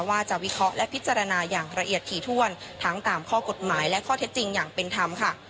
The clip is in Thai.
ว่าจะวิเคราะห์และพิจารณาอย่างละเอียดถี่ถ้วนทั้งตามข้อกฎหมายและข้อเท็จจริงอย่างเป็นธรรมค่ะ